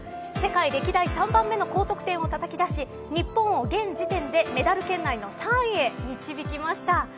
世界歴代３番目の高得点をたたき出し日本を現時点でメダル圏内の３位へ導きました。